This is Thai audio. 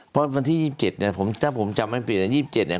เพราะวันที่๒๗เนี่ยถ้าผมจำไม่ผิดนะ๒๗เนี่ย